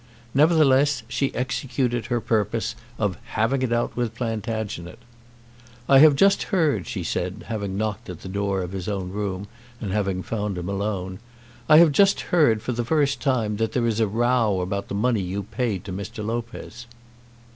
Nevertheless she executed her purpose of "having it out with Plantagenet." "I have just heard," she said, having knocked at the door of his own room, and having found him alone, "I have just heard, for the first time, that there is a row about the money you paid to Mr. Lopez."